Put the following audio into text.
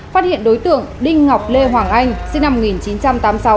phát hiện đối tượng đinh ngọc lê hoàng anh sinh năm một nghìn chín trăm tám mươi sáu